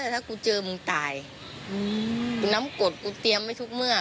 ถ้ากูเจอมึงตายกูน้ำกดกูเตรียมไว้ทุกเมื่อ